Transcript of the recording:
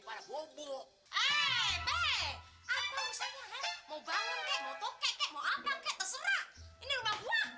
pada bobo eh eh atau saya mau bangun kek mau tokek kek mau apa kek terserah ini rumah gua